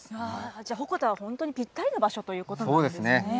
じゃあ、鉾田は本当にぴったりな場所ということなんですね。